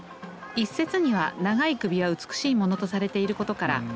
一説には長い首は美しいものとされていることから」。